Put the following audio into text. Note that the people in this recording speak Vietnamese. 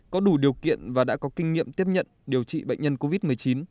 có đủ điều kiện và đã có kinh nghiệm tiếp nhận điều trị bệnh nhân covid một mươi chín